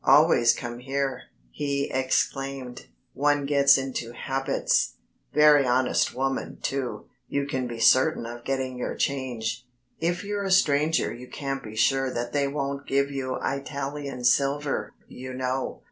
"Always come here," he exclaimed; "one gets into habits. Very honest woman, too, you can be certain of getting your change. If you're a stranger you can't be sure that they won't give you Italian silver, you know."